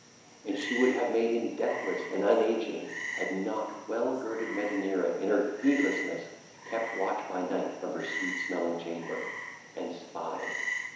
And she would have made him deathless and unageing, had not well girded Metaneira in her heedlessness kept watch by night from her sweet smelling chamber and spied.